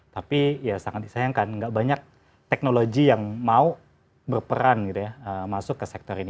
tapi ya sangat disayangkan tidak banyak teknologi yang mau berperan masuk ke sektor ini